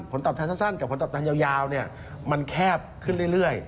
ผลตอบแทนสั้นกับผลตอบแทนยาวมันแคบขึ้นเรื่อย